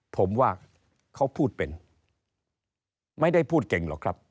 ผมว่าเขาพูดเป็นไม่ได้พูดเก่งหรอกครับ